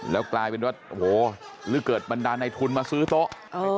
แล้วกลายเป็นว่าโอ้โหหรือเกิดบรรดาในทุนมาซื้อโต๊ะ